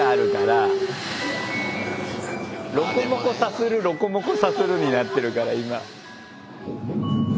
ロコモコさするロコモコさするになってるから今。